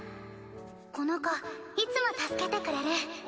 この子いつも助けてくれる。